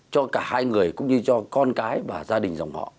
cho cả hai người cũng như cho con cái và gia đình dòng họ